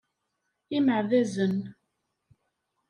Imeɛdazen.